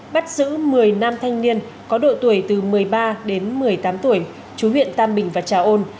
bắt giữ một mươi nam thanh niên có độ tuổi từ một mươi ba đến một mươi tám tuổi chú huyện tam bình và trà ôn